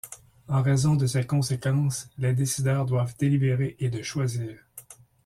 En raison de ces conséquences, les décideurs doivent délibérer et de choisir.